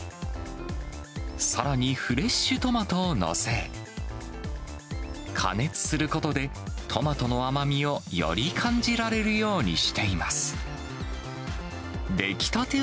さらにフレッシュトマトを載せ、加熱することで、トマトの甘みをより感じられるようにしています。